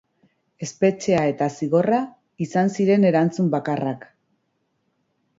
Espetxea eta zigorra izan ziren erantzun bakarrak.